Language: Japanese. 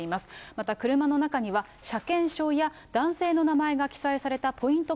また車の中には車検証や男性の名前が記載されたポイント